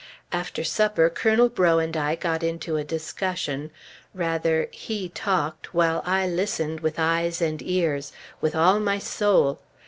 After supper, Colonel Breaux and I got into a discussion, rather, he talked, while I listened with eyes and ears, with all my soul....